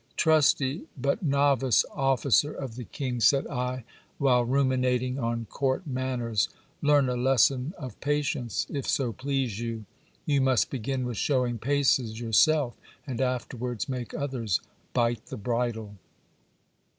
Trusty, but novice officer of the king, said I, while ruminating on court manners, leam a lesson of patience, if so please you. You must begin with shewing paces yourself, and afterwards make others bite the bridle.